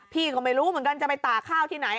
พี่ก็ไม่รู้เหมือนกันจะไปตากข้าวที่ไหน